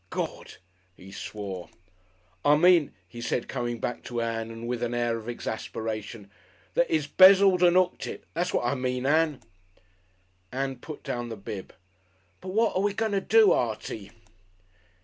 "Gord!" he swore. "I mean," he said, coming back to Ann and with an air of exasperation, "that he's 'bezzled and 'ooked it. That's what I mean, Ann." Ann put down the bib. "But wot are we going to do, Artie?"